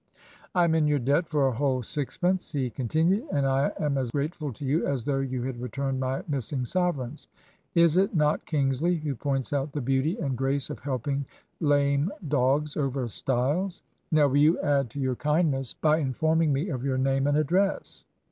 "'I am in your debt for a whole sixpence,' he continued, 'and I am as grateful to you as though you had returned my missing sovereigns. Is it not Kingsley who points out the beauty and grace of helping "lame dogs over stiles?" Now will you add to your kindness by informing me of your name and address?'